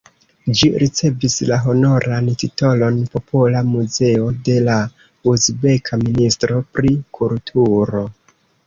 Ĝi ricevis la honoran titolon "popola muzeo" de la uzbeka ministro pri kulturo.